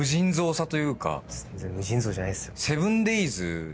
全然無尽蔵じゃないっすよ。